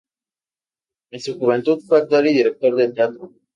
En su juventud fue actor y director de teatro.